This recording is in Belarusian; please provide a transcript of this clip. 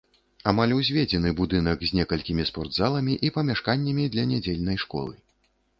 Амаль узведзены будынак, з некалькімі спортзаламі і памяшканнямі для нядзельнай школы.